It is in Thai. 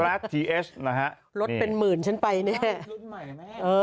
รถเป็นหมื่นฉันไปเนี่ย